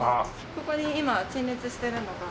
ここに今陳列してるのが。